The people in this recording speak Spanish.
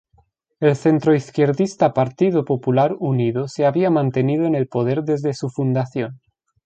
El centroizquierdista Partido Popular Unido se había mantenido en el poder desde su fundación.